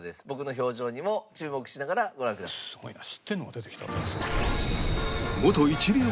僕の表情にも注目しながらご覧ください。